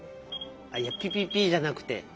あいや「ピピピ」じゃなくて。